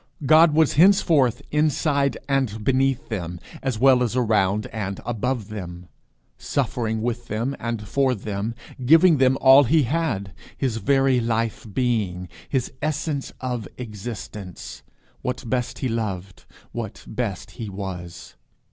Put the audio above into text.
God was henceforth inside and beneath them, as well as around and above them, suffering with them and for them, giving them all he had, his very life being, his essence of existence, what best he loved, what best he was.